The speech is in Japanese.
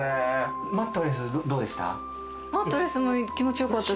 マットレスどうでした？